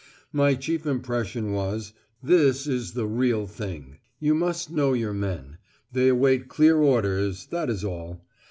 My chief impression was, 'This is the real thing.' You must know your men. They await clear orders, that is all.